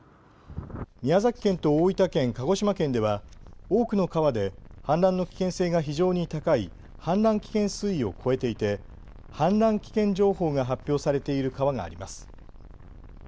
宮崎県と大分県、鹿児島県では多くの川で氾濫の危険性が非常に高い氾濫危険水位を超えていて氾濫危険情報が発表されている川があります。